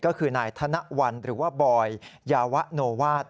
ก็คือนายธนวัลหรือว่าบอยยาวะโนวาส